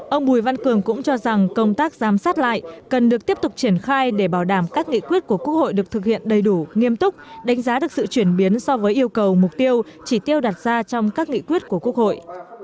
ông bùi văn cường cũng cho rằng công tác giám sát lại cần được tiếp tục triển khai để bảo đảm các nghị quyết của quốc hội được thực hiện đầy đủ nghiêm túc đánh giá được sự chuyển biến so với yêu cầu mục tiêu chỉ tiêu đặt ra trong các nghị quyết của quốc hội